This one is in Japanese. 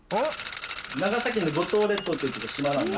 長崎の五島列島っていうとこ島なんで。